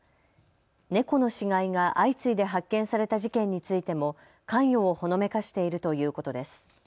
猫の死骸が相次いで発見された事件についても関与をほのめかしているということです。